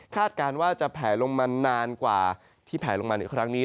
การว่าจะแผลลงมานานกว่าที่แผลลงมาในครั้งนี้